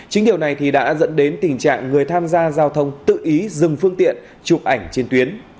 chính điều này thì đã dẫn đến tình trạng người tham gia giao thông tự ý dừng phương tiện chụp ảnh trên tuyến